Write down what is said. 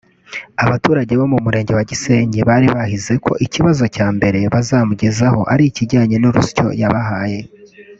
abaturage bo mu Murenge wa Gisenyi bari bahize ko ikibazo cya mbere bazamugezaho ari ikijyanye n’urusyo yabahaye